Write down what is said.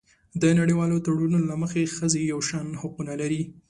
د نړیوالو تړونونو له مخې ښځې یو شان حقونه لري.